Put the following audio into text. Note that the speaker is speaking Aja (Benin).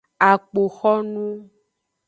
Akpoxonu.